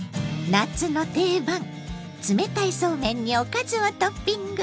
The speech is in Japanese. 夏の定番冷たいそうめんにおかずをトッピング！